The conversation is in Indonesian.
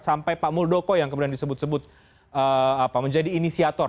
sampai pak muldoko yang kemudian disebut sebut menjadi inisiator